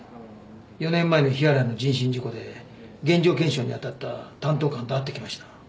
４年前の日原の人身事故で現場検証に当たった担当官と会ってきました。